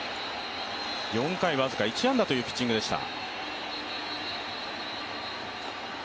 ４回僅か１安打というピッチングでした。